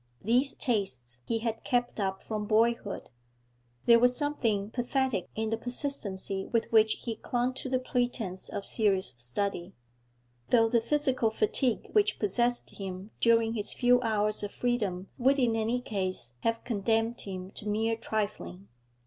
These tastes he had kept up from boyhood; there was something pathetic in the persistency with which he clung to the pretence of serious study, though the physical fatigue which possessed him during his few hours of freedom would in any case have condemned him to mere trifling.